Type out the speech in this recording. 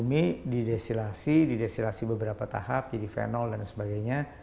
dari minyak bumi didesilasi didesilasi beberapa tahap jadi fenol dan sebagainya